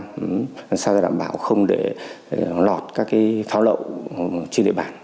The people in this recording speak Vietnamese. làm sao đảm bảo không lọt các pháo lậu trên địa bàn